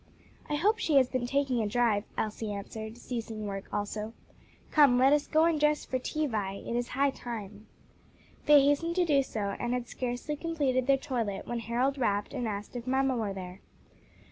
"I hope she has been taking a drive," Elsie answered, ceasing work also. "Come, let us go and dress for tea, Vi; it is high time." They hastened to do so, and had scarcely completed their toilet when Harold rapped and asked if mamma were there.